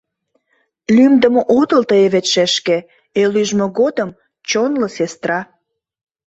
Лӱмдымӧ отыл тые вет, шешке, эл ӱжмӧ годым — чонло сестра.